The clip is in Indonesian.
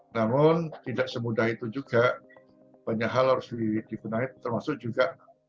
namun tidak semudah itu juga banyak hal harus dibenahi termasuk juga